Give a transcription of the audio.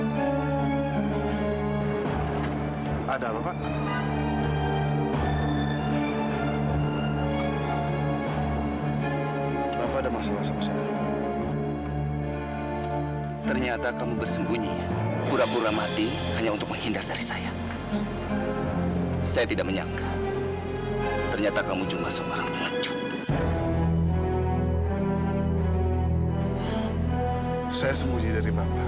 sampai jumpa di video selanjutnya